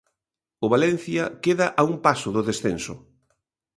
O Valencia queda a un paso do descenso.